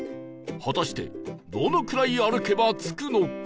果たしてどのくらい歩けば着くのか？